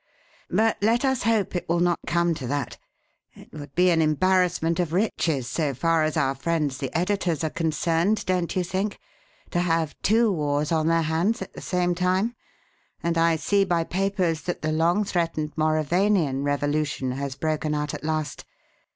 "But let us hope it will not come to that. It would be an embarrassment of riches so far as our friends the editors are concerned, don't you think, to have two wars on their hands at the same time? And I see by papers that the long threatened Mauravanian revolution has broken out at last.